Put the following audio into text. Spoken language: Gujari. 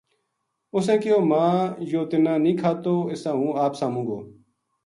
اِسیں کہیو" ماں یوہ تنا نیہہ کھاتو اِساں ہوں آپ ساموں گو"